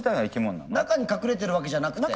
中に隠れてるわけじゃなくて。